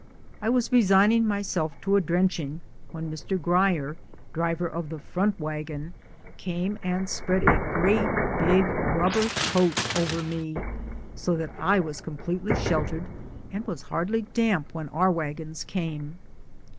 I was resigning myself to a drenching when Mr. Grier, driver of the front wagon, came and spread a great big rubber coat over me, so that I was completely sheltered and was hardly damp when our wagons came.